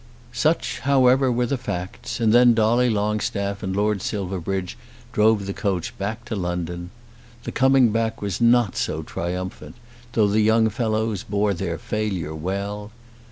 Such, however, were the facts, and then Dolly Longstaff and Lord Silverbridge drove the coach back to London. The coming back was not so triumphant, though the young fellows bore their failure well.